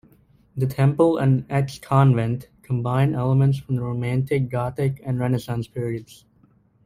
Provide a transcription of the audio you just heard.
The temple and ex-convent combine elements from the romantic, gothic and renaissance periods.